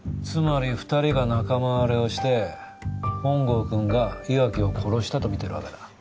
つまり２人が仲間割れをして本郷くんが岩城を殺したとみてるわけだ。